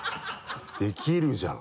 できるじゃん。